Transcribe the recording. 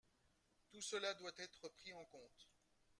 Tout cela doit être pris en compte.